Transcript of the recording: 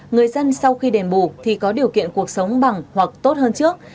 người dân sau khi đền bù thì có điều kiện cuộc sống bằng hoặc tốt hơn trước